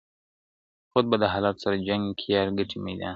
خود به د حالاتو سره جنګ کيیار ګټي میدان.